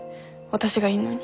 私がいんのに。